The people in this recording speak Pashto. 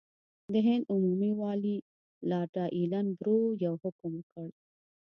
د هند عمومي والي لارډ ایلن برو یو حکم وکړ.